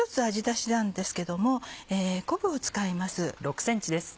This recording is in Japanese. ダシなんですけども昆布を使います。